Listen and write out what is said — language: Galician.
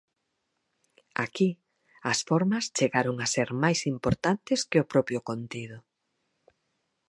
Aquí as formas chegaron a ser máis importantes que o propio contido.